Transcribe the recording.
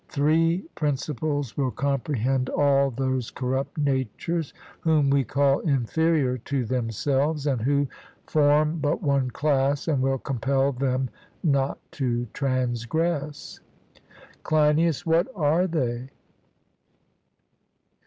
Three principles will comprehend all those corrupt natures whom we call inferior to themselves, and who form but one class, and will compel them not to transgress. CLEINIAS: What are they?